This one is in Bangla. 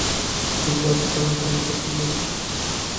তিনি ভারত ছাড় আন্দোলনে সক্রিয়ভাবে অংশগ্রহণ করেন।